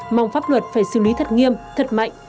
mong pháp luật phải xử lý thật nghiêm thật mạnh